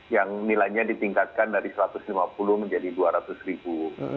yang nilainya ditingkatkan dari satu ratus lima puluh menjadi dua ratus ribu